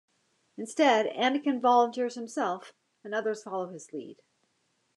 Instead, Anakin volunteers himself and others follow his lead.